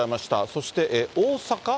そして大阪。